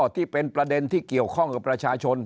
ที่เป็นประเด็นที่เกี่ยวข้องกับประชาชน